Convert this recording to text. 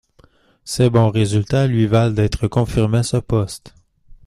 Ses bons résultats lui valent d'être confirmé à ce poste.